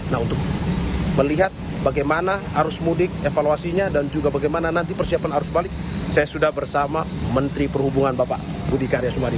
nah untuk melihat bagaimana arus mudik evaluasinya dan juga bagaimana nanti persiapan arus balik saya sudah bersama menteri perhubungan bapak budi karya sumadi